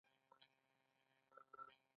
صلاحیت د قانوني واکونو له مجموعې څخه عبارت دی.